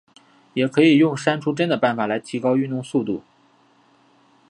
也可以用删除帧的办法提高运动速度。